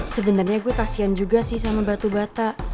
sebenarnya gue kasian juga sih sama batu bata